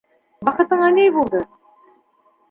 Ваҡытыңа ни булды?